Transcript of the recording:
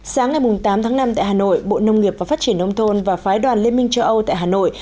sáng ngày tám tháng năm tại hà nội bộ nông nghiệp và phát triển nông thôn và phái đoàn liên minh châu âu tại hà nội